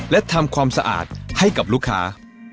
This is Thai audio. และทำความสะอาดให้กับลูกค้า